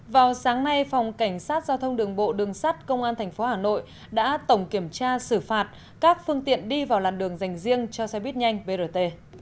vào sáng nay phòng cảnh sát giao thông đường bộ đường sát công an tp hà nội đã tổng kiểm tra xử phạt các phương tiện đi vào làn đường dành riêng cho xe buýt nhanh brt